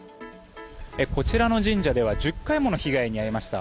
こちらの神社では１０回もの被害に遭いました。